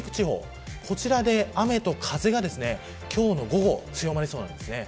特に北陸地方、こちらで雨と風が今日の午後、強まりそうです。